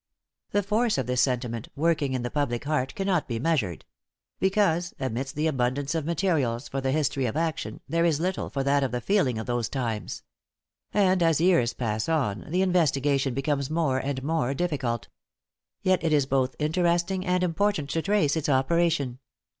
The force of this sentiment, working in the public heart, cannot be measured; because, amidst the abundance of ma , terials for the history of action, there is little for that of the feeling of those times. And, as years pass on, the investigation becomes more and more difficult. Yet it is both interesting and important to trace its operation.